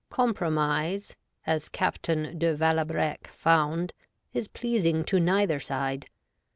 Compromise, as Captain de Valabreque found, is pleasing to neither side.